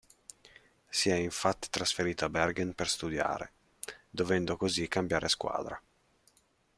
Si è infatti trasferito a Bergen per studiare, dovendo così cambiare squadra.